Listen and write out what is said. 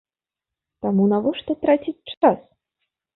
Таму навошта траціць час?